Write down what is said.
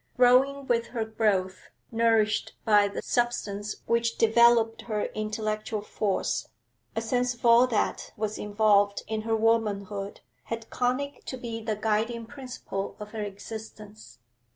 Growing with her growth, nourished by the substance which developed her intellectual force, a sense of all that was involved in her womanhood had conic to be the guiding principle of her existence.